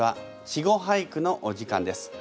「稚語俳句」のお時間です。